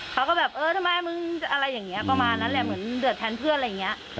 เขาก็แบบเออทำไมมึงอะไรอย่างนี้ประมาณนั้นแหละเหมือนเดือดแทนเพื่อนอะไรอย่างนี้